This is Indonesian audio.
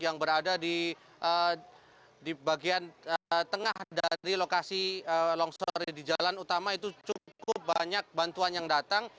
yang berada di bagian tengah dari lokasi longsor di jalan utama itu cukup banyak bantuan yang datang